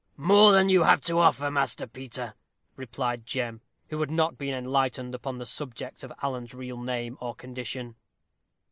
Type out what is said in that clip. "More than you have to offer, Master Peter," replied Jem, who had not been enlightened upon the subject of Alan's real name or condition.